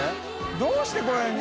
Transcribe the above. どうしてこんなに。